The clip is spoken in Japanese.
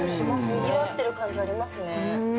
にぎわってる感じありますね。